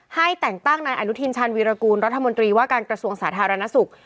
ให้แต่งตั้งนายอนุทินชาญวีรกูลรัฐมนตรีว่าการกระทรวงสาธารณสุข